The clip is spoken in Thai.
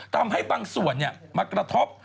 ทำให้บางส่วนมากระทบ